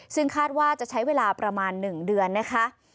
ซึ่งคาดว่าจะใช้เวลาประมาณ๑เดือนนะคะ